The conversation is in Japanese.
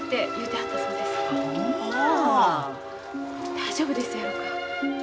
大丈夫ですやろか。